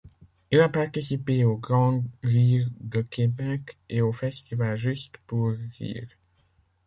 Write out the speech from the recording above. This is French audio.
Il a participé au Grand Rire de Québec et au festival Juste pour rire.